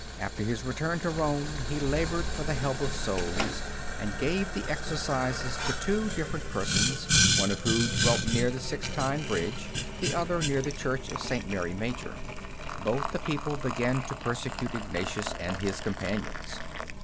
After his return to Rome, he labored for the help of souls, and gave the Exercises to two different persons, one of whom dwelt near the Sixtine Bridge, the other near the Church of St. Mary Major. Soon the people began to persecute Ignatius and his companions.